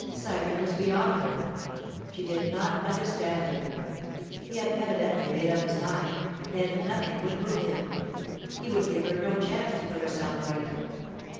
Sybert was beyond her; she did not understand him. He had evidently made up his mind, and nothing would move him; he would give her no chance to put herself right.